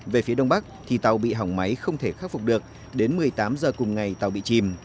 về phía đông bắc thì tàu bị hỏng máy không thể khắc phục được đến một mươi tám h cùng ngày tàu bị chìm